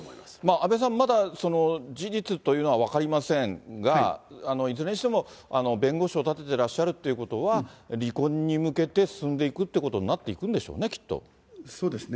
阿部さん、まだ事実というのは分かりませんが、いずれにしても弁護士を立ててらっしゃるということは、離婚に向けて進んでいくってことになっていくんでしょうね、きっそうですね。